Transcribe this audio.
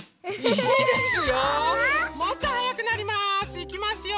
いきますよ。